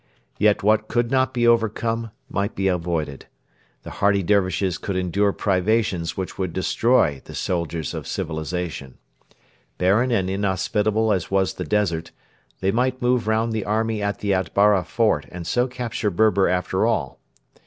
Yet what could not be overcome might be avoided. The hardy Dervishes could endure privations which would destroy the soldiers of civilisation. Barren and inhospitable as was the desert, they might move round the army at the Atbara fort and so capture Berber after all.